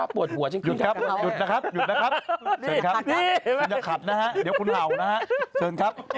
โบบปะ